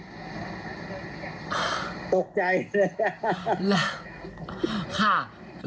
ตกใจเลย